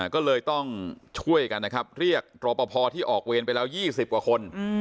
ก็เลยต้องช่วยกันนะครับเรียกรอปภที่ออกเวรไปแล้ว๒๐กว่าคน